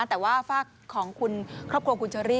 แต่ว่าฝากของคุณครอบครัวคุณเชอรี่